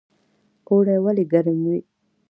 اوړی ولې ګرم وي؟